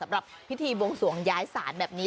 สำหรับพิธีบวงสวงย้ายศาลแบบนี้